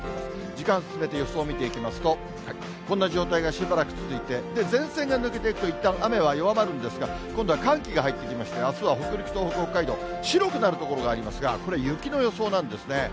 時間進めて予想を見ていきますと、こんな状態がしばらく続いて、前線が抜けていくと、いったん雨は弱まるんですが、今度は寒気が入ってきまして、あすは北陸、東北、北海道、白くなる所がありますが、これ、雪の予想なんですね。